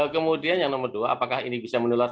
kemudian yang nomor dua apakah ini bisa menular